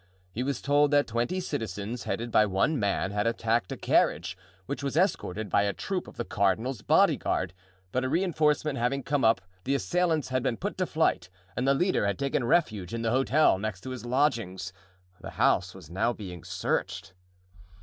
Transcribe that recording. He was told that twenty citizens, headed by one man, had attacked a carriage which was escorted by a troop of the cardinal's bodyguard; but a reinforcement having come up, the assailants had been put to flight and the leader had taken refuge in the hotel next to his lodgings; the house was now being searched.